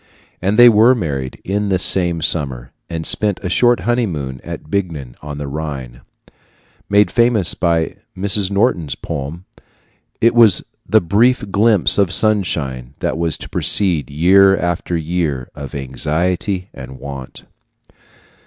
And they were married in this same summer, and spent a short honeymoon at Bingen on the Rhine made famous by Mrs. Norton's poem. It was the brief glimpse of sunshine that was to precede year after year of anxiety and want.